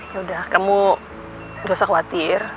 yaudah kamu nggak usah khawatir